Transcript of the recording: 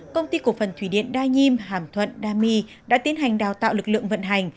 công ty cổ phần thủy điện đa nhiêm hàm thuận đa my đã tiến hành đào tạo lực lượng vận hành